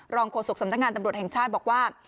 โฆษกสำนักงานตำรวจแห่งชาติบอกว่า